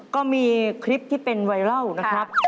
ก็มีคลิปที่เป็นไวรัลนะครับ